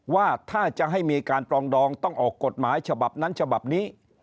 ว่าถ้าจะให้มีการปรองดองต้องออกกฎหมายฉบับนั้นฉบับนี้